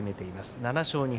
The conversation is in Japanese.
８勝２敗。